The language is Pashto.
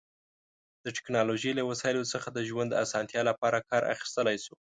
د ټیکنالوژی له وسایلو څخه د ژوند د اسانتیا لپاره کار اخیستلی شو